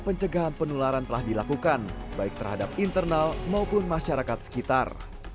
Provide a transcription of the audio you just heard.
pencegahan penularan telah dilakukan baik terhadap internal maupun masyarakat sekitar